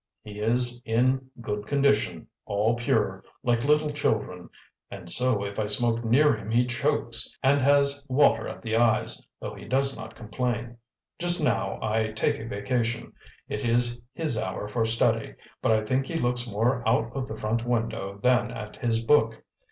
"He is in good condition, all pure, like little children and so if I smoke near him he chokes and has water at the eyes, though he does not complain. Just now I take a vacation: it is his hour for study, but I think he looks more out of the front window than at his book.